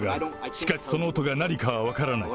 しかし、その音が何かは分からない。